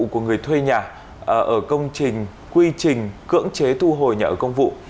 của người thuê nhà ở công trình quy trình cưỡng chế thu hồi nhà ở công vụ